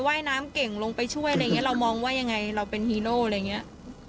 ว่ายน้ำเก่งลงไปช่วยอะไรอย่างเงี้เรามองว่ายังไงเราเป็นฮีโร่อะไรอย่างเงี้ย